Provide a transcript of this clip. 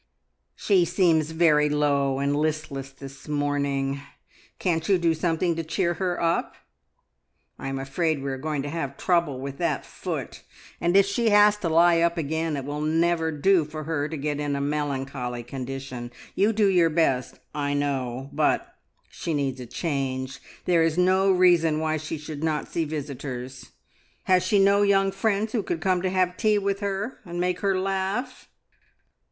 "She seems very low and listless this morning. Can't you do something to cheer her up? I am afraid we are going to have trouble with that foot, and if she has to lie up again it will never do for her to get in a melancholy condition. You do your best, I know, but she needs a change. There is no reason why she should not see visitors. Has she no young friends who could come to have tea with her, and make her laugh?"